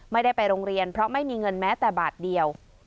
ไม่ได้ไปโรงเรียนเพราะไม่มีเงินแม้แต่บาทเดียว